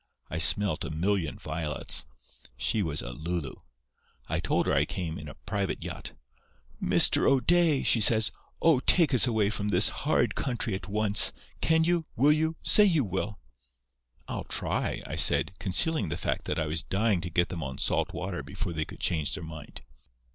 I smelt a million violets. She was a lulu. I told her I came in a private yacht. "'Mr. O'Day,' she says. 'Oh, take us away from this horrid country at once. Can you! Will you! Say you will.' "'I'll try,' I said, concealing the fact that I was dying to get them on salt water before they could change their mind.